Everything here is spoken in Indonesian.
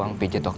ambil grab paket